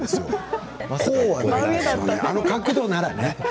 あの角度ならね。